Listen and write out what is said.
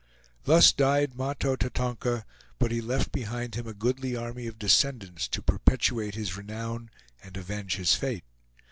Thus died Mahto Tatonka, but he left behind him a goodly army of descendants, to perpetuate his renown and avenge his fate.